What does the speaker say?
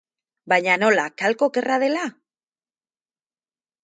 Baina nola, kalko okerra dela?